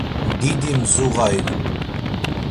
Didi mzuğa ivu.